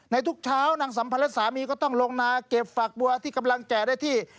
ทุกเช้านางสัมพันธ์และสามีก็ต้องลงนาเก็บฝักบัวที่กำลังแจ่ได้ที่